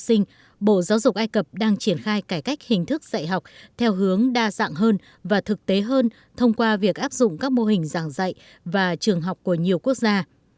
các bộ giáo dục ai cập đang triển khai cải cách hình thức dạy học theo hướng đa dạng hơn và thực tế hơn thông qua việc áp dụng các mô hình giảng dạy và trường học của nhiều quốc gia